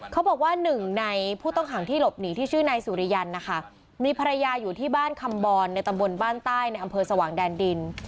เขาบอกว่าหนึ่งในผู้ต้องขังที่หลบหนีที่ชื่อนายสุริยันนะคะมีภรรยาอยู่ที่บ้านคำบรในตำบลบ้านใต้ในอำเภอสว่างแดนดิน